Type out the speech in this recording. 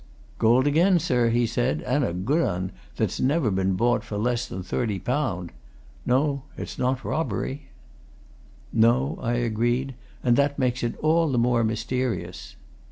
"Gold again, sir!" he said. "And a good 'un, that's never been bought for less than thirty pound. No, it's not been robbery." "No," I agreed, "and that makes it all the more mysterious.